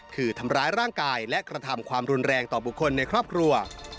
คือทำร้ายร่างกายและกระทำความรุนแรงต่อบุคคลในครอบครัว